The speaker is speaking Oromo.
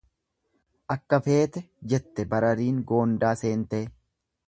Akka feete jette barariin goondaa seentee.